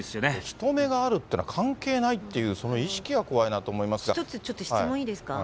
人目があるというのは関係ないっていう、ちょっと質問いいですか？